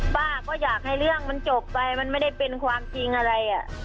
ป้าก็อยากให้เรื่องมันจบไปมันไม่ได้เป็นความจริงอะไร